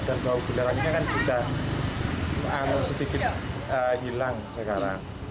dan bau belerangnya kan sudah sedikit hilang sekarang